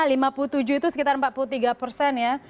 lima puluh tujuh itu sekitar empat puluh tiga persen ya